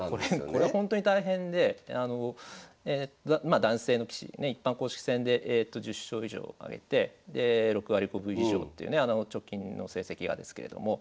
これほんとに大変でまあ男性の棋士にね一般公式戦で１０勝以上挙げてで６割５分以上っていうね直近の成績がですけれども。